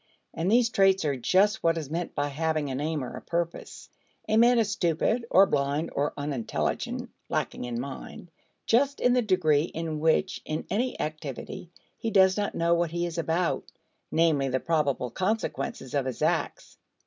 And these traits are just what is meant by having an aim or a purpose. A man is stupid or blind or unintelligent lacking in mind just in the degree in which in any activity he does not know what he is about, namely, the probable consequences of his acts.